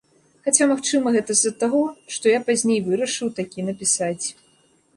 Хаця, магчыма, гэта з-за таго, што я пазней вырашыў такі напісаць.